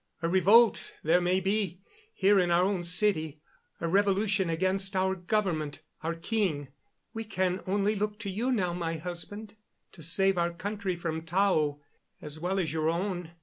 A revolt, there may be, here in our own city a revolution against our government, our king. We can only look to you now, my husband, to save our country from Tao as well as your own."